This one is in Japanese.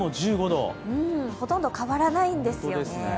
ほとんど変わらないんですよね。